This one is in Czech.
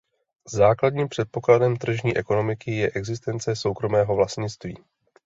Základním předpokladem tržní ekonomiky je existence soukromého vlastnictví.